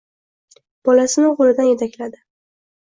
Bolasini qo‘lidan yetakladi.